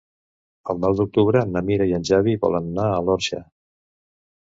El nou d'octubre na Mira i en Xavi volen anar a l'Orxa.